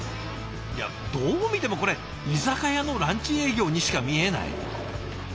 いやどう見てもこれ居酒屋のランチ営業にしか見えない。